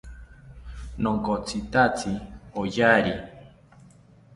Nonkotzitatzi oyari